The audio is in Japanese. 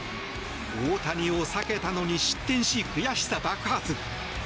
大谷を避けたのに失点し悔しさ爆発。